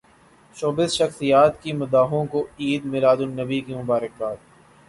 showbiz شخصیات کی مداحوں کو عید میلاد النبی کی مبارکباد